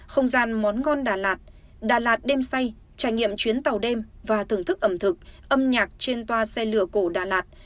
không gian món ngon đà lạt đà lạt đêm say trải nghiệm chuyến tàu đêm và thưởng thức ẩm thực âm nhạc trên toa xe lựa cổ đà lạt